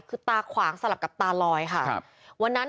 ลูกนั่นแหละที่เป็นคนผิดที่ทำแบบนี้